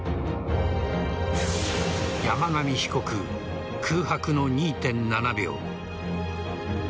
山上被告、空白の２．７秒。